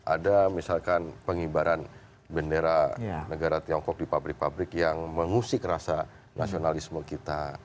ada misalkan pengibaran bendera negara tiongkok di pabrik pabrik yang mengusik rasa nasionalisme kita